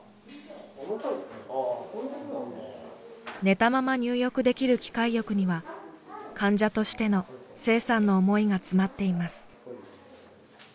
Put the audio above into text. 寝たまま入浴できる機械浴には患者としての清さんの思いが詰まっています。